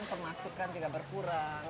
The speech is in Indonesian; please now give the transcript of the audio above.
pemasukan juga berkurang